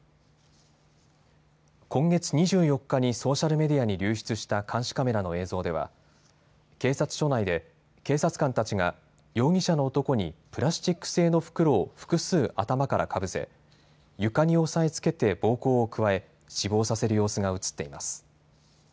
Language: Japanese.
今月２４日にソーシャルメディアに流出した監視カメラの映像では警察署内で、警察官たちが容疑者の男にプラスチック製の袋を複数、頭からかぶせ、床に押さえつけて暴行を加え死亡させる様子が写っています。